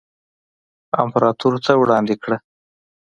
امپراتور ته وړاندې کړه.